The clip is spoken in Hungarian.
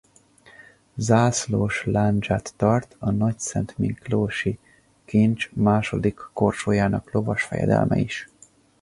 Zászlós lándzsát tart a nagyszentmiklósi kincs második korsójának lovas fejedelme is.